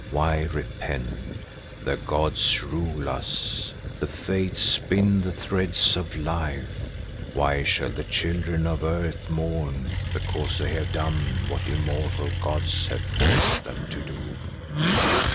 "Why repent? The gods rule us. The fates spin the threads of life. Why shall the children of earth mourn because they have done what the immortal gods have forced them to do?"